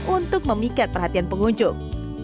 untuk memikat perhatian pengunjung